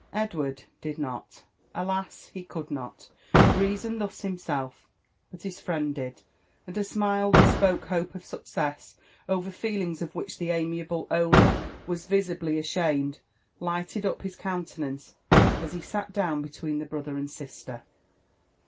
Edward did not,— alas I he could not, reason thus himself; but his friend did, and a smile that spoke hope of success over feelings of whicd the aniiable owner was visibly ashamed lighted up his countenance as he sal down between the brother and sister.